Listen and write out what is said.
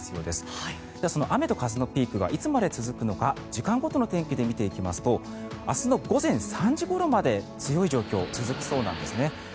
では、その雨と風のピークがいつまで続くのか時間ごとの天気で見ていきますと明日の午前３時ごろまで強い状況が続きそうなんです。